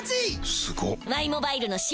すごっ！